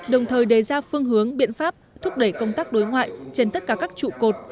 đồng thời đề ra phương hướng biện pháp thúc đẩy công tác đối ngoại trên tất cả các trụ cột